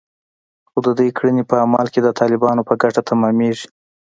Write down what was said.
خو د دوی کړنې په عمل کې د طالبانو په ګټه تمامېږي